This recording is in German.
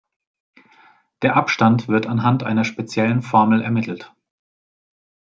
Der Abstand wird anhand einer speziellen Formel ermittelt.